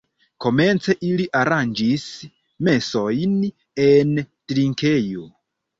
Komence ili aranĝis mesojn en drinkejo.